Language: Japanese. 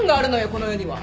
この世には。